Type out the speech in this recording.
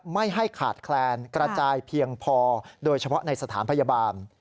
ไม่ให้ขาดแคลนกระจายเพียงพอโดยเฉพาะในสถานพยาบาล